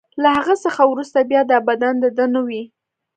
له هغه څخه وروسته بیا دا بدن د ده نه وي.